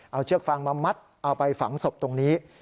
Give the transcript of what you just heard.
เอาเชือกฟางมามัดเอาไปฝังศพตรงนี้